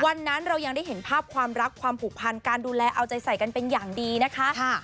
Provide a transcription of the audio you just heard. วันนั้นเรายังได้เห็นภาพความรักความผูกพันการดูแลเอาใจใส่กันเป็นอย่างดีนะคะ